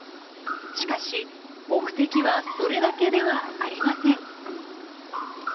しかし目的はそれだけではありません。